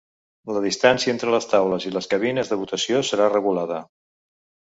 La distància entre les taules i les cabines de votació serà regulada.